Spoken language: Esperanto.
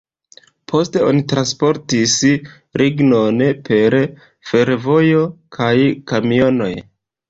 Poste oni transportis lignon per fervojo kaj kamionoj.